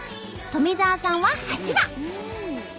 富澤さんは８番。